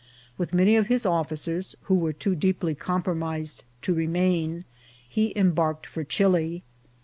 With many of his officers, who were too deeply compromised to remain, he embarked for Chili.